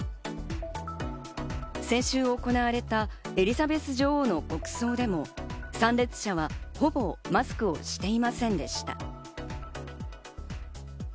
先週行われたエリザベス女王の国葬でも参列者はほぼマスクをしていませんでした。